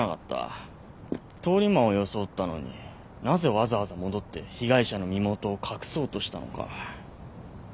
通り魔を装ったのになぜわざわざ戻って被害者の身元を隠そうとしたのか。